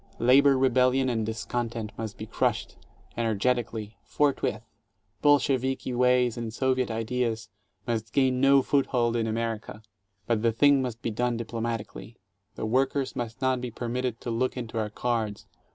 Labor rebellion and discontent must be crushed, energetically, forthwith. Bolsheviki ways and Soviet ideas must gain no foothold in America. But the thing must be done diplo matically; the workers must not be permitted to look into our cards.